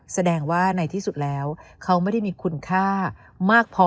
แสดงว่าในที่สุดแล้วเขาไม่ได้มีคุณค่ามากพอ